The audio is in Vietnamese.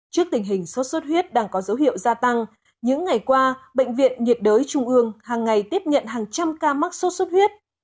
trước tình hình sốt xuất huyết đang có dấu hiệu gia tăng những ngày qua bệnh viện nhiệt đới trung ương hàng ngày tiếp nhận hàng trăm ca mắc sốt xuất huyết